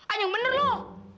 ah yang bener lu